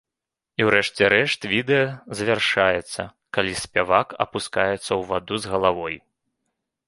І ў рэшце рэшт відэа завяршаецца, калі спявак апускаецца ў ваду з галавой.